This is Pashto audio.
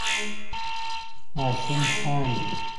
ماشوم خاندي.